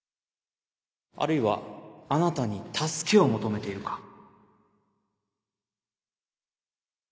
あるいはあなたに助けを求めているか